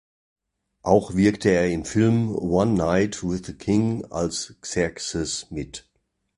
Auch wirkte er im Film "One Night with the King" als "Xerxes" mit.